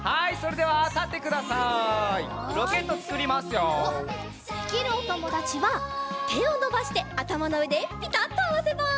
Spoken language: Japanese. できるおともだちはてをのばしてあたまのうえでピタッとあわせます！